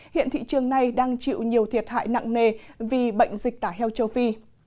hiện thị trường này đang chịu nhiều thiệt hại nặng nề vì bệnh dịch tả heo châu phi